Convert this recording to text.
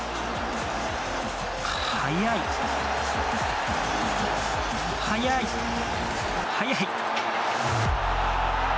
速い、速い、速い！